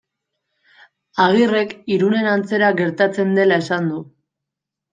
Agirrek Irunen antzera gertatzen dela esan du.